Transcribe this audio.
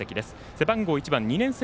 背番号１番２年生